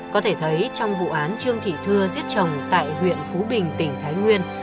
có thể thấy trong vụ án trương thị thưa giết chồng tại huyện phú bình tỉnh thái nguyên